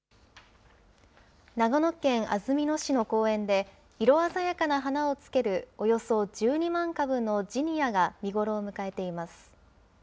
長野県安曇野市の公園で、色鮮やかな花をつけるおよそ１２万株のジニアが見頃を迎えています。